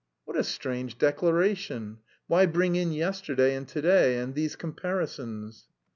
"What a strange declaration! Why bring in yesterday and to day and these comparisons?"